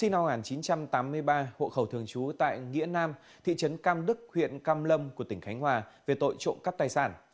năm một nghìn chín trăm tám mươi ba hộ khẩu thường trú tại nghĩa nam thị trấn cam đức huyện cam lâm của tỉnh khánh hòa về tội trộm cắp tài sản